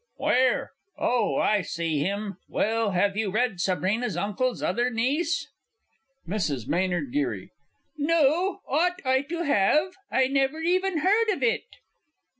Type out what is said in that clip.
Where? Oh, I see him. Well have you read Sabrina's Uncle's Other Niece? MRS. M. G. No ought I to have? I never even heard of it!